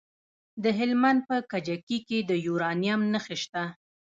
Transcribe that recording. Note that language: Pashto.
د هلمند په کجکي کې د یورانیم نښې شته.